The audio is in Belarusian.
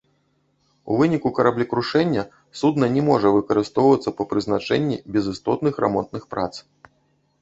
У выніку караблекрушэння судна не можа выкарыстоўвацца па прызначэнні без істотных рамонтных прац.